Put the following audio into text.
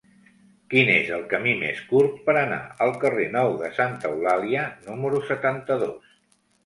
Quin és el camí més curt per anar al carrer Nou de Santa Eulàlia número setanta-dos?